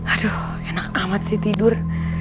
aduh enak amat tidur